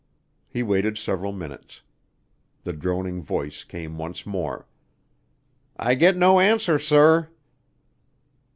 He waited several minutes. The droning voice came once more. "I get no answer, sir."